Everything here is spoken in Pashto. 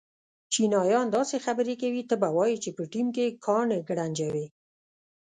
چینایان داسې خبرې کوي ته به وایې چې په ټېم کې کاڼي گړنجوې.